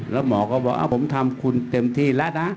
แล้วหมอก็บอกเอ้าผมทำทุ่นที่แล้วนะ